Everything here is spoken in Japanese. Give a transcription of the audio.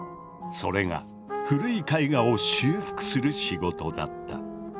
それが古い絵画を修復する仕事だった。